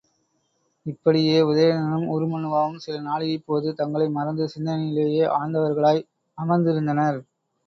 இப்படியே உதயணனும் உருமண்ணுவாவும் சில நாழிகைப்போது தங்களை மறந்து சிந்தனையிலே ஆழ்ந்தவர்களாய் அமர்ந்திருந்தனர்.